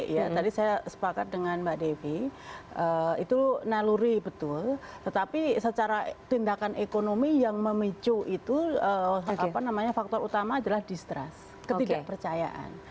jadi tadi saya sepakat dengan mbak devi itu naluri betul tetapi secara tindakan ekonomi yang memicu itu faktor utama adalah distrust ketidakpercayaan